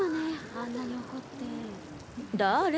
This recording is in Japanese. あんなに怒ってだれ？